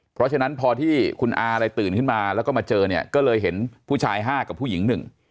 เพราะฉะนั้นพอที่คุณอาอะไรตื่นขึ้นมาแล้วก็มาเจอเนี่ยก็เลยเห็นผู้ชายห้ากับผู้หญิงหนึ่ง